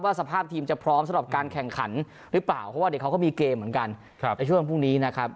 สภาพทีมจะพร้อมสำหรับการแข่งขันหรือเปล่าเพราะว่าเด็กเขาก็มีเกมเหมือนกันในช่วงพรุ่งนี้นะครับ